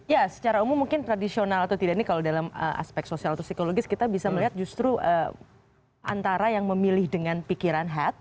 ya secara umum mungkin tradisional atau tidak nih kalau dalam aspek sosial atau psikologis kita bisa melihat justru antara yang memilih dengan pikiran head